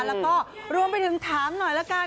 แล้วก็รวมไปถึงถามหน่อยละกัน